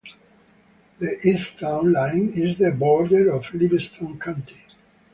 The east town line is the border of Livingston County.